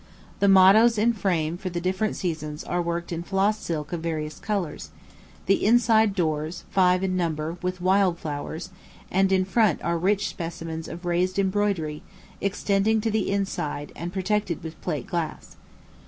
The mottoes in frame for the different seasons are worked in floss silk of various colors; the inside doors five in number with wild flowers; and in front are rich specimens of raised embroidery, extending to the inside, and protected with plate glass.